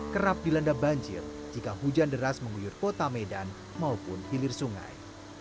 kerap dilanda banjir jika hujan deras mengguyur kota medan maupun hilir sungai